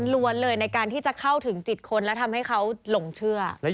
ล้วนเลยในการที่จะเข้าถึงจิตคนและทำให้เขาหลงเชื่อ